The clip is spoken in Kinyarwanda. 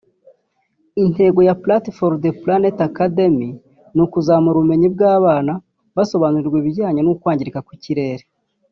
Intego ya “Plant-for-the-Planet Academy” ni ukuzamura ubumenyi bw’abana basobanurirwa ibijyanye n’ukwangirika kw’ikirere